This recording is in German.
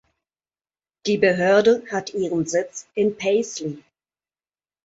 Die Behörde hat ihren Sitz in Paisley.